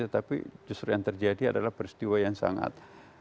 tapi justru yang terjadi adalah peristiwa yang sangat